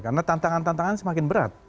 karena tantangan tantangan semakin berat